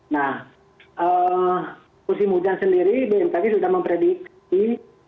nah musim hujan sendiri bnpg sudah mempredikasi